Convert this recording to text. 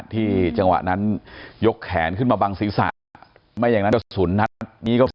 ที่จังหวะนั้นยกแขนขึ้นมาบังศีรษะไม่อย่างนั้นซุนต์นัด